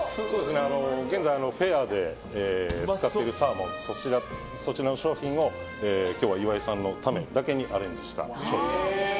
現在、フェアで使っているサーモン商品を今日は岩井さんだけのためにアレンジした商品です。